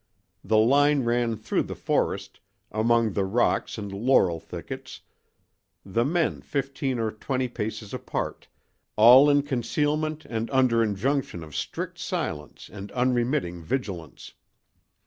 The line ran through the forest, among the rocks and laurel thickets, the men fifteen or twenty paces apart, all in concealment and under injunction of strict silence and unremitting vigilance.